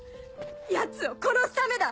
ヤツを殺すためだ！